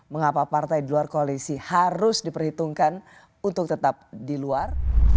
mengapa partai di luar koalisi harus diperhitungkan untuk tetap di luar